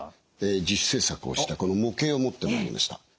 自主製作をしたこの模型を持ってまいりました。